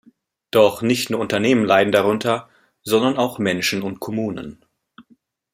Doch nicht nur Unternehmen leiden darunter, sondern auch Menschen und Kommunen.